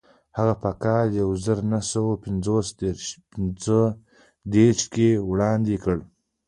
هغه په کال یو زر نهه سوه پنځه دېرش کې وړاندې کړه.